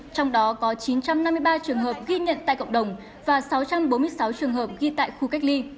trong đó có chín trăm năm mươi ba trường hợp ghi nhận tại cộng đồng và sáu trăm bốn mươi sáu trường hợp ghi tại khu cách ly